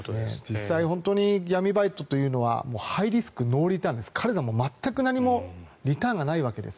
実際闇バイトというのはハイリスク・ノーリターンで彼らも全く何もリターンがないわけです。